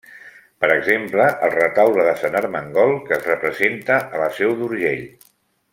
Per exemple el Retaule de Sant Ermengol que es representa a La Seu d'Urgell.